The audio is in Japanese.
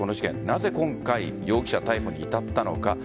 なぜ今回容疑者逮捕に至ったのか。